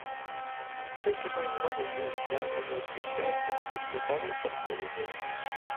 Толькі вось званы ні ў свята, ні ў прысвяткі не заклікалі ў царкву людзей.